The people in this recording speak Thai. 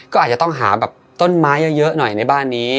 ก็อาจจะต้องหาแบบต้นไม้เยอะหน่อยในบ้านนี้